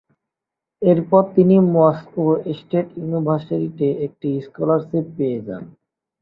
এরপর তিনি Moscow state ইউনিভার্সিটিতে একটি স্কলারশিপ পেয়ে যান।